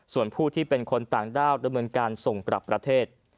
ส่วนผู้ที่เป็นคนต่างด้าวดำเนินการส่งกลับประเทศ